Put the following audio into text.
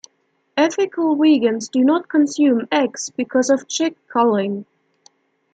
Ethical vegans do not consume eggs because of chick culling.